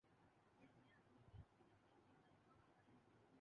اس میں کیمرہ کی کچھ اچھی پوزیشن اور ترمیم کا استعمال کیا گیا ہے